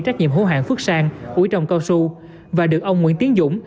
trách nhiệm hữu hạng phước sang củi trồng cao su và được ông nguyễn tiến dũng